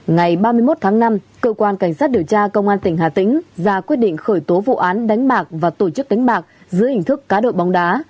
ngày ba mươi một tháng năm cơ quan cảnh sát điều tra công an tỉnh hà tĩnh ra quyết định khởi tố vụ án đánh bạc và tổ chức đánh bạc dưới hình thức cá đội bóng đá